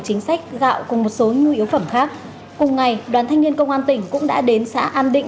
chính sách gạo cùng một số nhu yếu phẩm khác cùng ngày đoàn thanh niên công an tỉnh cũng đã đến xã an định